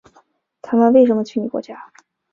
他们为什么去你国家？